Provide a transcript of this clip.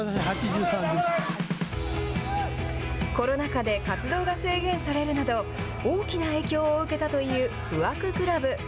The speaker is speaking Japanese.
コロナ禍で活動が制限されるなど、大きな影響を受けたという不惑倶楽部。